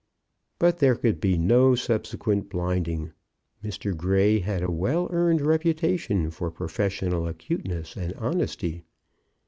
But there could be no subsequent blinding. Mr. Grey had a well earned reputation for professional acuteness and honesty.